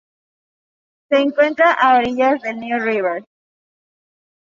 Se encuentra a orillas del new River.